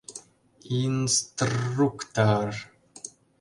И-ин-стр-рру-укты-ыр!